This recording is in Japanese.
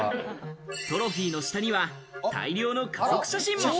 トロフィーの下には大量の家族写真も。